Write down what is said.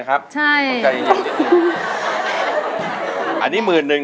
ปกติเราขายขนมจีนวันหนึ่ง